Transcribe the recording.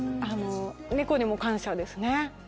猫にも感謝ですね。